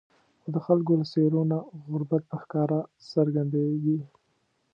خو د خلکو له څېرو نه غربت په ښکاره څرګندېږي.